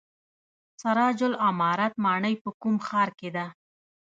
سراج العمارت ماڼۍ په کوم ښار کې ده؟